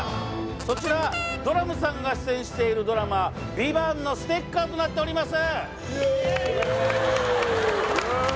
そちらドラムさんが出演しているドラマ「ＶＩＶＡＮＴ」のステッカーとなっております